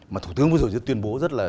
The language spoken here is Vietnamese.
mà thủ tướng vừa rồi tuyên bố rất là